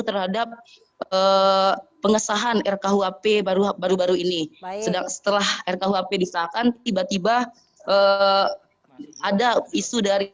terhadap eh pengesahan rkhuap baru baru ini setelah rkhuap disahkan tiba tiba ada isu dari